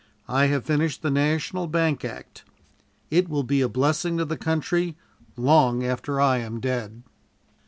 I have finished the National Bank Act. It will be a blessing to the country long after I am dead."